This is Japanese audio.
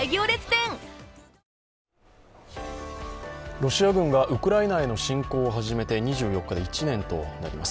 ロシア軍がウクライナへの侵攻を始めて２４日で１年となります。